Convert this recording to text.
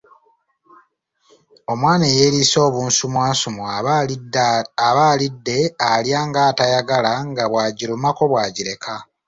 Omwana eyeeriisa obunsumwansumwa aba alidde alya ng'atayagala nga bw'agirumako bw' agireka.